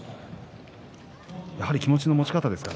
やはり気持ちの持ち方ですか？